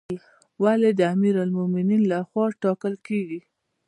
والی د امیرالمؤمنین لخوا ټاکل کیږي